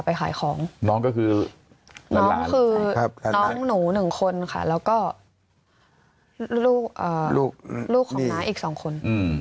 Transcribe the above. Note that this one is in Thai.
ไปขายของน้องก็คือน้องหนู๑คนค่ะแล้วก็ลูกลูกน้าอีก๒คน